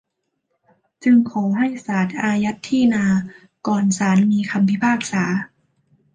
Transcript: จึงขอให้ศาลอายัดที่นา ก่อนศาลมีคำพิพากษา